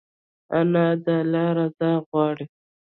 انا د الله رضا غواړي